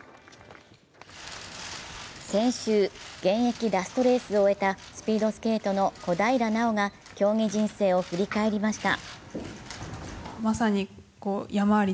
先週、現役ラストレースを終えたスピードスケート・小平奈緒選手が競技人生を振り返りました。